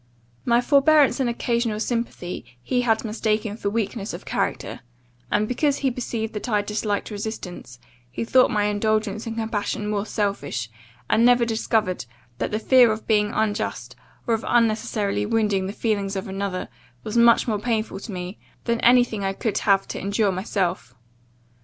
My forbearance and occasional sympathy he had mistaken for weakness of character; and, because he perceived that I disliked resistance, he thought my indulgence and compassion mere selfishness, and never discovered that the fear of being unjust, or of unnecessarily wounding the feelings of another, was much more painful to me, than any thing I could have to endure myself.